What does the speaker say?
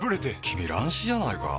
君乱視じゃないか？